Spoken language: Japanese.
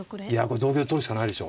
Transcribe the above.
同玉で取るしかないでしょう。